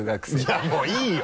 いやもういいよ！